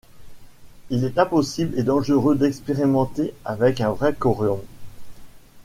Il est impossible et dangereux d'expérimenter avec un vrai corium.